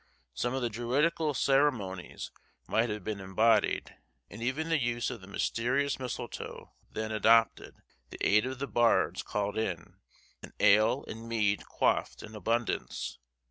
Some of the druidical ceremonies might have been embodied, and even the use of the mysterious misletoe then adopted, the aid of the bards called in, and ale and mead quaffed in abundance.